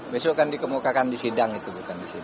besok akan dikemukakan di sidang itu bukan di sidang